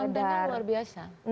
kontennya luar biasa